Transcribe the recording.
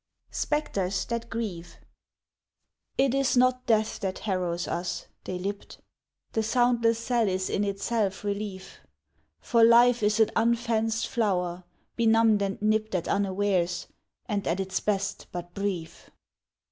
SPECTRES THAT GRIEVE "IT is not death that harrows us," they lipped, "The soundless cell is in itself relief, For life is an unfenced flower, benumbed and nipped At unawares, and at its best but brief."